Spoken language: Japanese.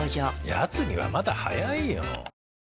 やつにはまだ早いよ。